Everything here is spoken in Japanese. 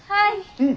うん。